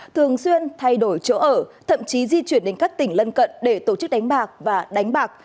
thường xuyên thay đổi chỗ ở thậm chí di chuyển đến các tỉnh lân cận để tổ chức đánh bạc và đánh bạc